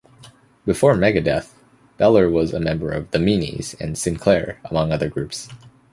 Before Megadeth, Behler was a member of The Meanies and Sinclair, among other groups.